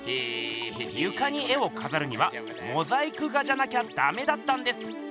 ゆかに絵をかざるにはモザイク画じゃなきゃだめだったんです。